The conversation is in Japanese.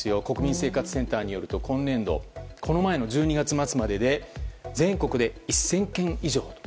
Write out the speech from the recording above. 国民生活センターによると今年度この前の１２月末までで全国で１０００件以上。